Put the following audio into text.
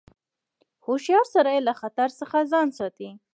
هوښیار سړی له خطر څخه ځان ساتي.